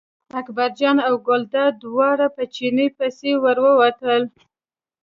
اکبرجان او ګلداد دواړه په چیني پسې ور ووتل.